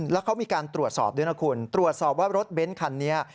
แล้วเขามีการตรวจสอบด้วยนะคุณตรวจสอบว่ารถเบ้นคันนี้